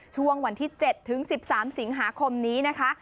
ช่วงวันที่๗ถึง๑๓สิงหาคมนี้นะคะ